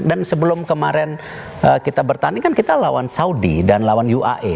dan sebelum kemarin kita bertanding kan kita lawan saudi dan lawan uae